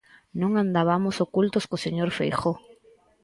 Non andabamos ocultos co señor Feijóo.